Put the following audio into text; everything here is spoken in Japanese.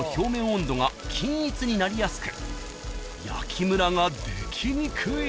温度が均一になりやすく焼きむらができにくい］